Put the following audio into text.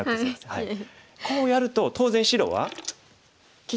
はい。